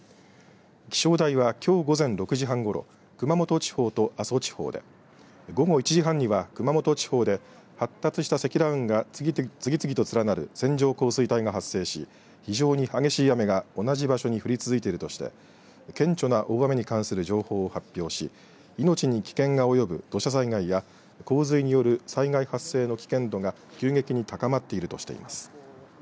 気象台はきょう午前６時半ごろ熊本地方と阿蘇地方で、午後１時半には熊本地方で発達した積乱雲が次々と連なる線状降水帯が発生し非常に激しい雨が同じ場所に降り続いているとして顕著な大雨に関する情報を発表し命に危険が及ぶ土砂災害や洪水による災害発生の危険度は急激に高まっているとしています。